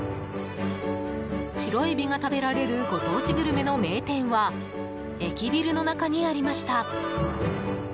白エビが食べられるご当地グルメの名店は駅ビルの中にありました。